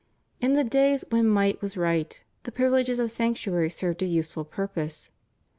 In the days when might was right the privileges of sanctuary served a useful purpose.